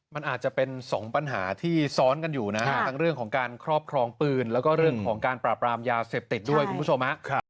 มันอาจจะเป็นสองปัญหาที่ซ้อนกันอยู่นะฮะทั้งเรื่องของการครอบครองปืนแล้วก็เรื่องของการปราบรามยาเสพติดด้วยคุณผู้ชมฮะ